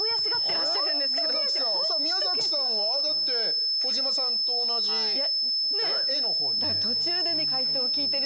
宮崎さんは、だって児嶋さんと同じ「エ」の方に。